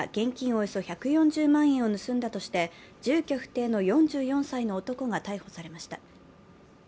およそ１４０万円を盗んだとして住居不定の４４歳の男が逮捕されました。